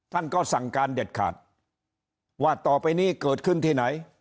ท่านก็สั่งการเด็ดขาดว่าต่อไปนี้เกิดขึ้นที่ไหน